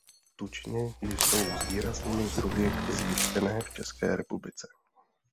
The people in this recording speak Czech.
Tučně jsou zvýrazněny druhy zjištěné v České republice.